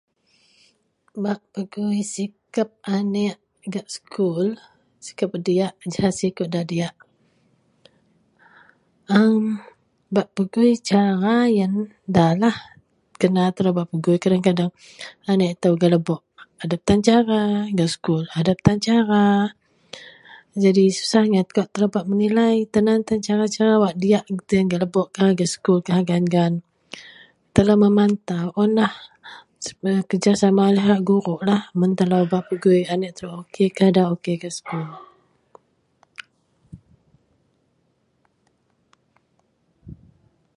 bak pegui sikep aneak gak sekul, sikep diak jahak sikep da diak a mm bak pegui cara ien dalah kena telou bak pegui kadeng-kadeng aneak itou gak lebok adep tan cara, gak sekul adep tan cara, jadi susah nyat kawak telou bak menilai tan aan tan cara-cara wak diak gak lebokkah, gak sekul kah, gaan-gaan, telou mematau unlah kerjasama guruklah mun telo bak pegui aneak telou okkah da okkah gak sekul